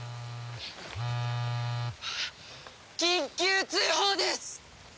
緊急通報です！